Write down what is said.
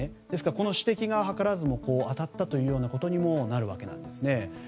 ですからこの指摘が図らずも当たったということにもなるわけなんです。